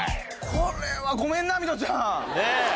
これはごめんなミトちゃん。